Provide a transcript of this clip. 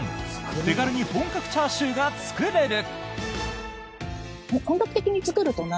手軽に本格チャーシューが作れる！